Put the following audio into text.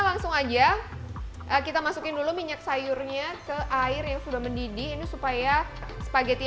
langsung aja kita masukin dulu minyak sayurnya ke air yang sudah mendidih ini supaya spageti